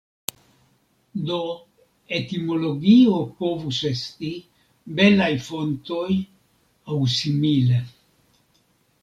Do etimologio povus esti belaj fontoj aŭ simile.